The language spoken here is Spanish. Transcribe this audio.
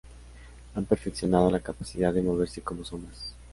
Han perfeccionado la capacidad de moverse como sombras.